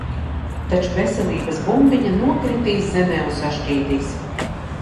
Taču veselības bumbiņa nokritīs zemē un sašķīdīs.